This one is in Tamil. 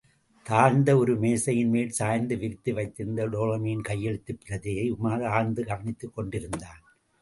தாழ்ந்த ஒரு மேசையின் மேல் சாய்ந்து விரித்து வைத்திருந்த டோலமியின் கையெழுத்துப் பிரதியை உமார் ஆழ்ந்து கவனித்துக் கொண்டிருந்தான்.